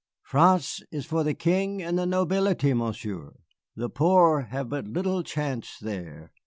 "France is for the King and the nobility, Monsieur. The poor have but little chance there.